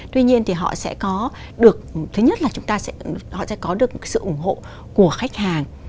tuy nhiên thì họ sẽ có được thứ nhất là chúng ta họ sẽ có được sự ủng hộ của khách hàng